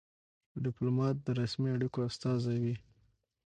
ډيپلومات د رسمي اړیکو استازی وي.